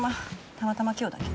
たまたま今日だけ。